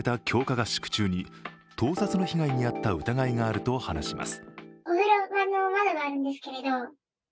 合宿中に盗撮の被害に遭った疑いがあると話します。